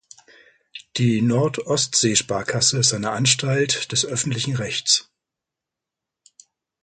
Die Nord-Ostsee Sparkasse ist eine Anstalt des öffentlichen Rechts.